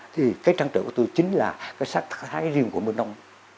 thì cái trăng trở của tôi chính là cái sắc thái riêng của mơ nông